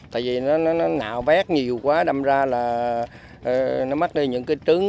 tại vì nó nạo vét nhiều quá đâm ra là nó mất đi những cái trứng